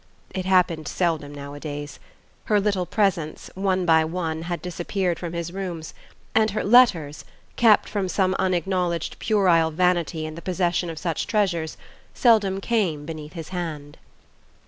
It happened seldom nowadays. Her little presents, one by one, had disappeared from his rooms, and her letters, kept from some unacknowledged puerile vanity in the possession of such treasures, seldom came beneath his hand....